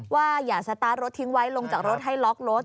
อย่าสตาร์ทรถทิ้งไว้ลงจากรถให้ล็อกรถ